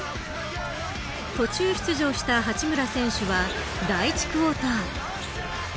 途中出場した八村選手は第１クオーター。